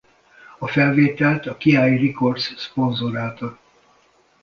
A felvételt a Ki Records szponzorálta.